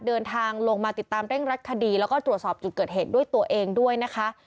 เดินทางลงมาติดตามเร่งรัดคดีแล้วก็ตรวจสอบจุดเกิดเหตุด้วยตัวเองด้วยนะคะ